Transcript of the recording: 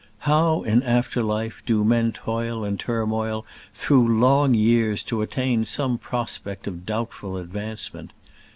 How, in after life, do men toil and turmoil through long years to attain some prospect of doubtful advancement!